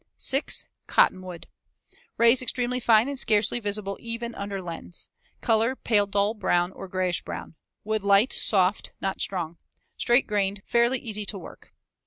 6. Cottonwood. Rays extremely fine and scarcely visible even under lens. Color pale dull brown or grayish brown. Wood light, soft, not strong, straight grained, fairly easy to work.